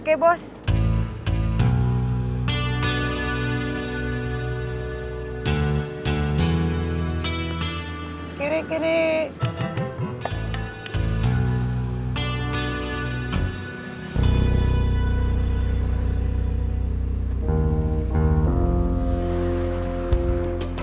ya udah ariel bisa pindah